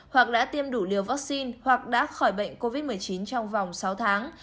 hoặc đã tiêm đủ liều vaccine hoặc đã khỏi bệnh covid một mươi chín trong vòng sáu tháng